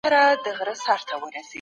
آیا څېړنه او کره کتنه سره یو شان دي؟